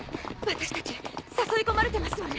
私たち誘い込まれてますわね。